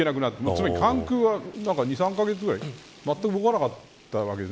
つまり関空が２、３カ月ぐらいまったく動かなかったわけで。